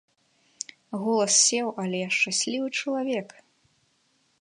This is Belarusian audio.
Голас сеў, але я шчаслівы чалавек!